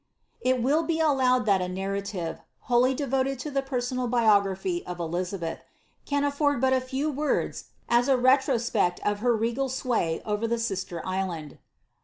'' allowed that a narrative, wholly devoted to the personal r Elizabeth, can afford but a few words aa a retrospect of ay over the sister island.